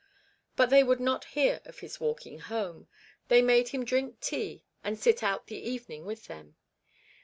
But they would not hear of his walking home. They made him drink tea and sit out the evening with them.